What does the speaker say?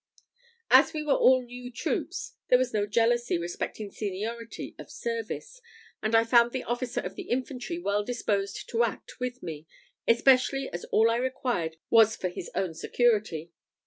As we were all new troops, there was no jealousy respecting seniority of service; and I found the officer of the infantry well disposed to act with me, especially as all I required was for his own security.